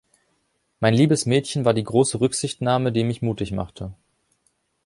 Mein liebes Mädchen war die große Rücksichtnahme, die mich mutig machte.